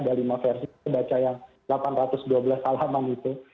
ada lima versi saya baca yang delapan ratus dua belas alaman gitu